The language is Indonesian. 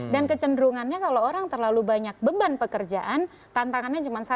dan kecenderungannya kalau orang terlalu banyak beban pekerjaan tantangannya cuma satu